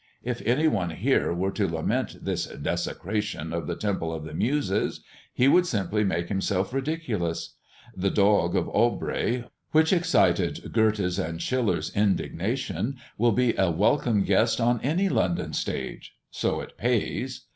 If any one here were to lament this 'desecration of the Temple of the Muses,' he would simply make himself ridiculous. The dog of Aubrey, which excited Göthe's and Schiller's indignation, will be a welcome guest on any London stage, so it pays.